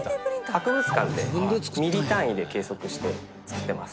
博物館でミリ単位で計測して作ってます。